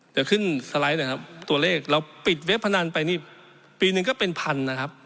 จะขึ้นสไลด์ตัวเลขเราปิดเว็บพนันไปปีนึงก็เป็นพัน